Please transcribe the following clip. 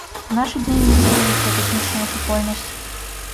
У нашы дні не існуюць як этнічная супольнасць.